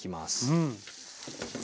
うん。